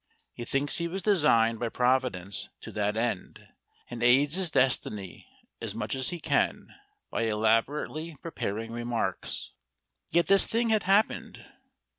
He thinks he was designed by Providence to that end, and aids his destiny as much as he can by elaborately preparing remarks. Yet this thing had happened.